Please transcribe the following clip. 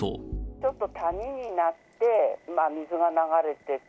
ちょっと谷になって、水が流れてた。